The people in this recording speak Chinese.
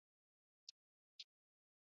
球队主场是伦敦奥林匹克体育场。